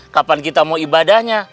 kapan kita mau ibadahnya